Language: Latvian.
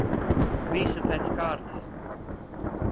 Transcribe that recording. Visu pēc kārtas.